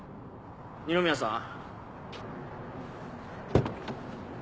二宮さん。